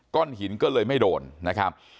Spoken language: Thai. หินก็เลยไม่โดนนะครับ